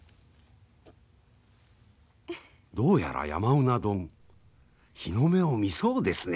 どうやら山うな丼日の目を見そうですね